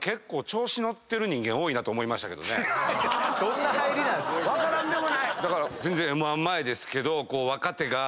どんな入りなんすか⁉分からんでもない。